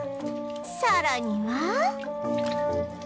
さらには